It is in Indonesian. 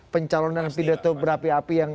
pencalonan pidato berapi api yang